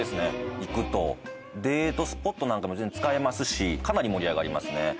行くとデートスポットなんかにも使えますしかなり盛り上がりますね